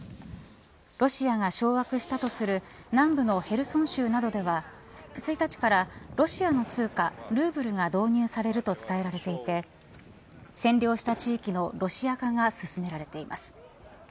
ロシアが掌握したとする南部のヘルソン州などでは１日からロシアの通貨ルーブルが導入されると伝えられていて占領した地域のロシア化が進められています。